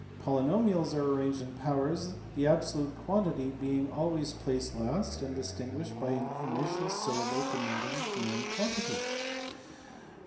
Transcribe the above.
Poly nomials are arranged in powers, the absolute quantity being always placed last and distinguished by an initial syllable de noting known quantity.